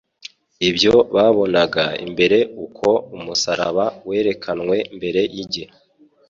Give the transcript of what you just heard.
Ibyo babonaga imbere Uko umusaraba werekanwe mbere y'igihe